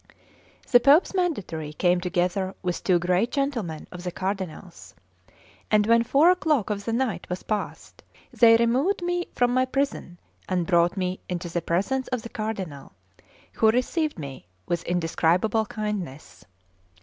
The Pope's mandatary came together with two great gentlemen of the Cardinal's, and when four o'clock of the night was passed, they removed me from my prison, and brought me into the presence of the Cardinal, who received me with indescribable kindness.